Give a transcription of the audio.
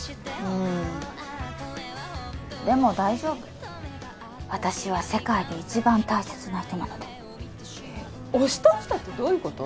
うんでも大丈夫私は世界で一番大切な人なのでえっ押し倒したってどういうこと？